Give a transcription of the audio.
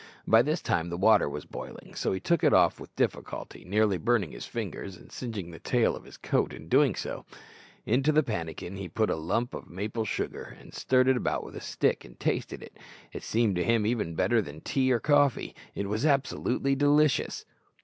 By this time the water was boiling, so he took it off with difficulty, nearly burning his fingers and singeing the tail of his coat in so doing. Into the pannikin he put a lump of maple sugar, and stirred it about with a stick, and tasted it. It seemed to him even better than tea or coffee. It was absolutely delicious!